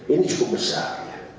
ini cukup besar